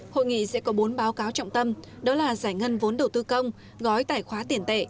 hội nghị sẽ có bốn báo cáo trọng tâm đó là giải ngân vốn đầu tư công gói tài khoá tiền tệ